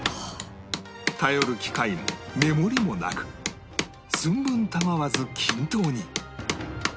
頼る機械も目盛りもなく寸分違わず均等に